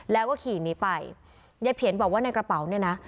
แล้วก็ขี่หนีไปยายเพียนบอกว่าในกระเป๋าเนี่ยนะ